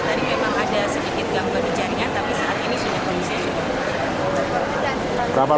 tadi memang ada sedikit gangguan jaringan tapi saat ini sudah berhasil